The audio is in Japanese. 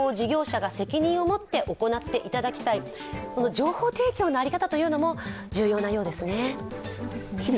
情報提供の在り方というのも重要なようですね。